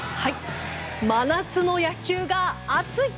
真夏の野球が熱い！